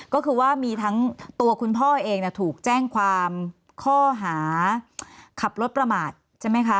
ก็คือว่ามีทั้งตัวคุณพ่อเองถูกแจ้งความข้อหาขับรถประมาทใช่ไหมคะ